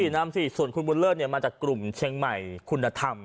นำสิส่วนคุณบุญเลิศมาจากกลุ่มเชียงใหม่คุณธรรม